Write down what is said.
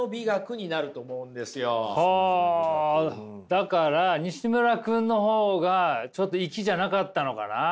だからにしむら君の方がちょっといきじゃなかったのかな？